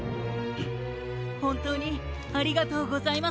ほんとうにありがとうございます。